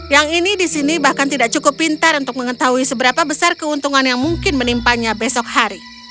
yang ini di sini bahkan tidak cukup pintar untuk mengetahui seberapa besar keuntungan yang mungkin menimpannya besok hari